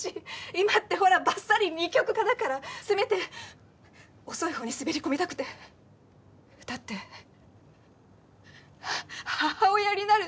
今ってほらばっさり二極化だからせめて「遅い」方に滑り込みたくてだって「母親になる」